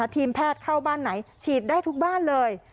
ทีมแพทย์เข้าบ้านไหนฉีดได้ทุกบ้านเลย